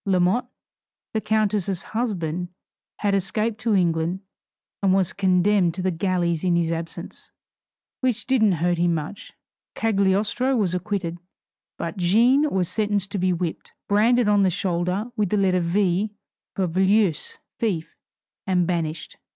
Lamotte, the countess' husband, had escaped to England, and was condemned to the galleys in his absence, which didn't hurt him much. Cagliostro was acquitted. But Jeanne was sentenced to be whipped, branded on the shoulder with the letter V for Voleuse (thief), and banished.